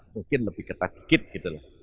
mungkin lebih ketat dikit gitu loh